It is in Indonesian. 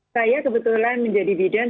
saya kebetulan menjadi bidan